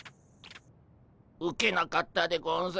ウケなかったでゴンス。